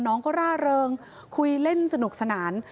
น้องก็ร่าเริงคุยเล่นสนุกสนาน